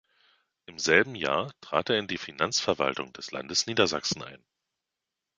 Im selben Jahr trat er in die Finanzverwaltung des Landes Niedersachsen ein.